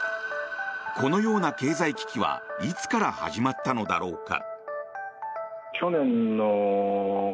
このような経済危機はいつから始まったのだろうか。